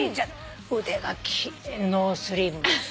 腕が奇麗ノースリーブ。